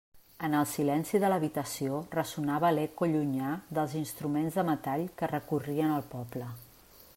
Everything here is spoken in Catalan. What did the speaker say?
En el silenci de l'habitació ressonava l'eco llunyà dels instruments de metall que recorrien el poble.